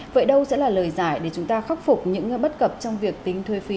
vậy đâu sẽ là lời giải để chúng ta khắc phục những bất cập trong việc tính thuê phí